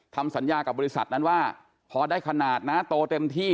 ทำสัญญากับบริษัทนั้นว่าพอได้ขนาดนะโตเต็มที่